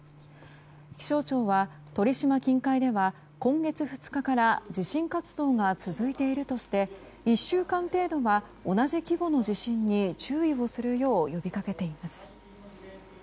気象庁は鳥島近海では今月２日から地震活動が続いているとして１週間程度は同じ規模の地震に注意をするよう呼び掛けています。